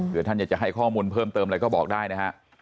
เพื่อท่านอยากจะให้ข้อมูลเพิ่มเติมอะไรก็บอกได้นะฮะ